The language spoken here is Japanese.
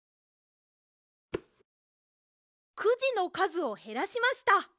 くじのかずをへらしました。